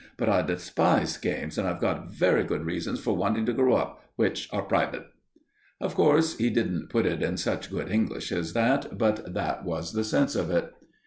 But I despise games, and I've got very good reasons for wanting to grow up, which are private." Of course, he didn't put it in such good English as that, but that was the sense of it.